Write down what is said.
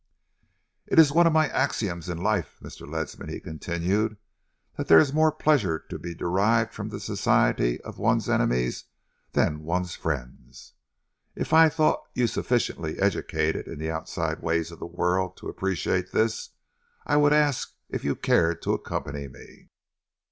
"It is one of my axioms in life, Mr. Ledsam," he continued, "that there is more pleasure to be derived from the society of one's enemies than one's friends. If I thought you sufficiently educated in the outside ways of the world to appreciate this, I would ask if you cared to accompany me?"